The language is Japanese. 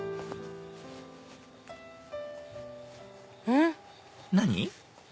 うん？何？